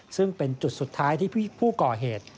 ซึ่งเป็นจุดสุดท้ายที่ผู้ก่อเหตุ